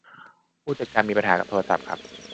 ผู้จัดมีปัญหากับโทรศัพท์ครับ